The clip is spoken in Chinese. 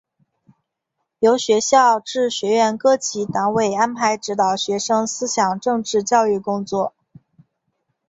由学校至学院各级党委安排指导学生思想政治教育工作。